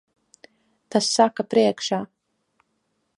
Tas saka priekšā.